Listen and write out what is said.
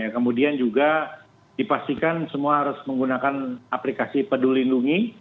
kemudian juga dipastikan semua harus menggunakan aplikasi pedulindungi